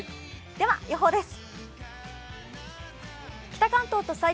では、予報です。